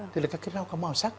thì là cái rau có màu sắc